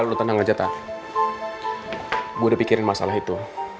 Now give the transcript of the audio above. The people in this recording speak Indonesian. lu tenang aja tak gue udah pikirin masalah itu